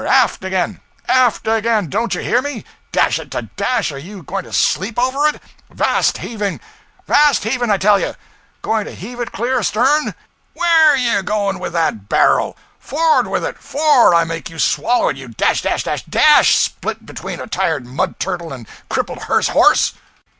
Aft again! aft again! don't you hear me. Dash it to dash! are you going to _sleep _over it! '_Vast _heaving. 'Vast heaving, I tell you! Going to heave it clear astern? Where're you going with that barrel! For'ard with it 'fore I make you swallow it, you dash dash dash _dashed _split between a tired mud turtle and a crippled hearse horse!'